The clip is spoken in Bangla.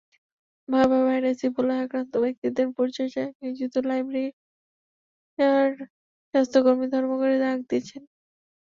ভয়াবহ ভাইরাস ইবোলায় আক্রান্ত ব্যক্তিদের পরিচর্যায় নিয়োজিত লাইবেরিয়ার স্বাস্থ্যকর্মীরা ধর্মঘটের ডাক দিয়েছেন।